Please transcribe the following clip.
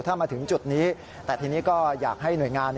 ถ้ามาถึงจุดนี้แต่ทีนี้ก็อยากให้หน่วยงาน